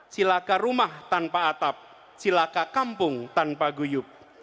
silakah rumah tanpa atap silakah kampung tanpa guyub